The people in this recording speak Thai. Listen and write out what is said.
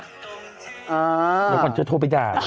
แต่มันจะโทรไปด่า